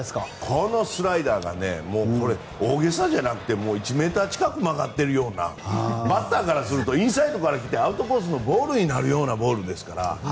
このスライダーが大げさじゃなくて１ｍ近く曲がっているようなバッターからするとインサイドから来てアウトサイドのボールになるようなコースですから。